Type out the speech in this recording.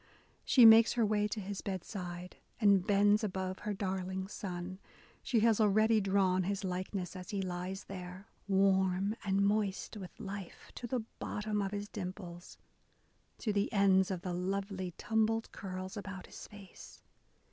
She makes her way to his bedside, and bends above her darling son : she has already drawn his likeness as he lies there, Warm and moist with life To the bottom of his dimples, — to the ends Of the lovely tumbled curls about his face